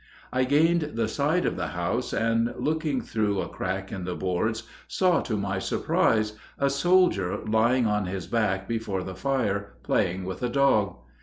I gained the side of the house, and, looking through a crack in the boards, saw, to my surprise, a soldier lying on his back before the fire playing with a dog.